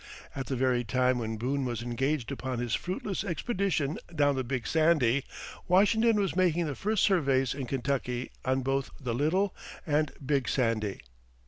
At the very time when Boone was engaged upon his fruitless expedition down the Big Sandy, Washington was making the first surveys in Kentucky on both the Little and Big Sandy.